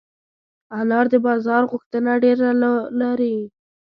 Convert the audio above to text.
انار د بازار غوښتنه ډېره لري.